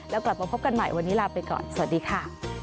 แล้วกลับมาพบกันใหม่วันนี้ลาไปก่อนสวัสดีค่ะ